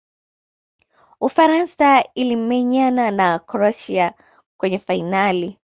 ufaransa ilimenyana na croatia kwenye fainali